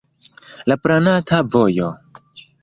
La planata vojo.